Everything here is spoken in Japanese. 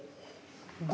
５。